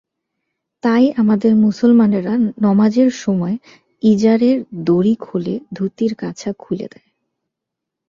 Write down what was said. তাই আমাদের মুসলমানেরা নমাজের সময় ইজারের দড়ি খোলে, ধুতির কাছা খুলে দেয়।